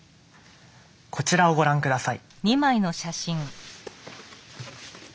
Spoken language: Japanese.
こちらをご覧下さい。